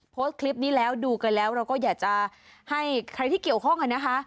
โพสต์คลิปนี้แล้วดูกันแล้วเราก็อยากจะให้ใครที่เกี่ยวข้องอ่ะนะคะ